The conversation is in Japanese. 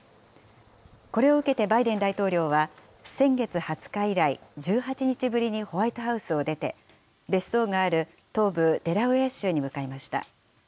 これを受けてバイデン大統領は、先月２０日以来、１８日ぶりにホワイトハウスを出て、別荘がある東部デラウェア州に向かいました。